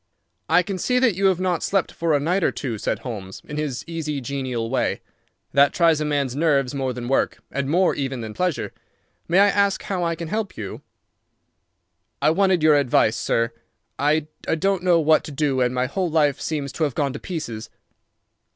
"I can see that you have not slept for a night or two," said Holmes, in his easy, genial way. "That tries a man's nerves more than work, and more even than pleasure. May I ask how I can help you?" "I wanted your advice, sir. I don't know what to do and my whole life seems to have gone to pieces."